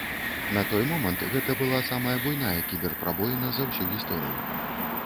На той момант гэта была самая буйная кібер-прабоіна за ўсю гісторыю.